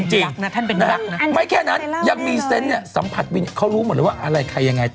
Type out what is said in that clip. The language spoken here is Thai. หมายถึงกลางรายการเลยเนี้ยหรอล่ะ